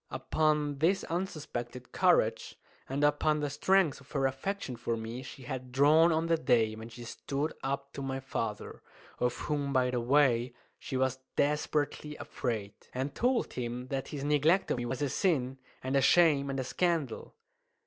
Upon this unsuspected courage, and upon the strength of her affection for me, she had drawn on the day when she stood up to my father of whom, by the way, she was desperately afraid and told him that his neglect of me was a sin and a shame and a scandal.